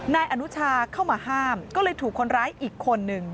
นายอนุชาเข้ามาห้ามก็เลยถูกคนร้ายอีกคนนึง